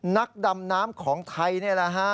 นักดำน้ำของไทยนี่แหละฮะ